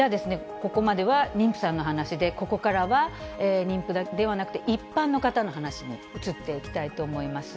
ここまでは妊婦さんの話で、ここからは妊婦ではなくて一般の方の話に移っていきたいと思います。